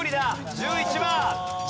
１１番。